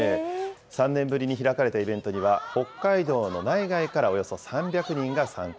３年ぶりに開かれたイベントには、北海道の内外からおよそ３００人が参加。